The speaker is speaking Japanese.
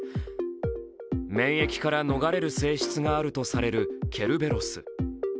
免疫から逃れる性質があるとされるケルベロス。